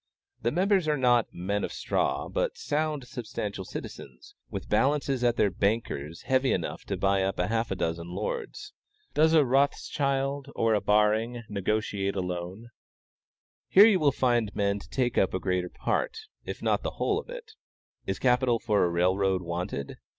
The members are not "men of straw," but sound, substantial citizens, with balances at their bankers heavy enough to buy up half a dozen lords. Does a Rothschild or a Baring negotiate a loan? Here you will find men to take up the greater part, if not the whole of it. Is capital for a railroad wanted?